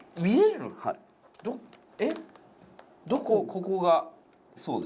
ここがそうです。